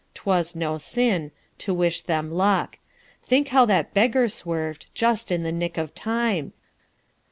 'T was no sin To wish them luck. Think how that beggar swerved Just in the nick of time!